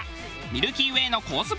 ミルキーウェイのコース